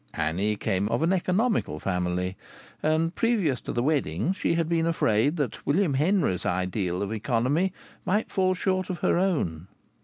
Annie came of an economical family, and, previous to the wedding, she had been afraid that William Henry's ideal of economy might fall short of her own.